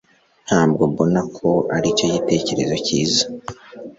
Ntabwo mbona ko aricyo gitekerezo cyiza